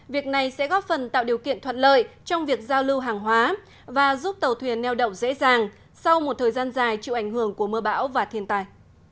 việc này sẽ góp phần tạo điều kiện thuận lợi trong việc giao lưu hàng hóa và giúp tàu thuyền neo đậu dễ dàng sau một thời gian dài chịu ảnh hưởng của mưa bão và thiên tài